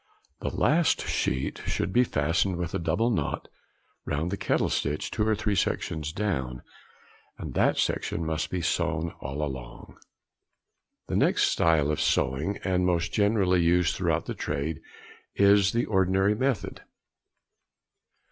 The last sheet should be fastened with a double knot round the kettle stitch two or three sections down, and that section must be sewn all along. The next style of sewing, and most generally used throughout the trade, is the ordinary method.